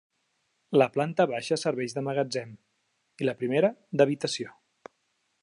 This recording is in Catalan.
La planta baixa serveix de magatzem i la primera d'habitació.